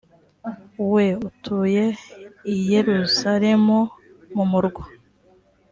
we utuye i yerusalemu mumurwa